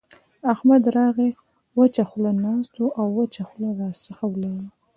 احمد راغی؛ وچه خوله ناست وو او وچه خوله راڅخه ولاړ.